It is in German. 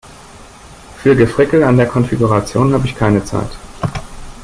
Für Gefrickel an der Konfiguration habe ich keine Zeit.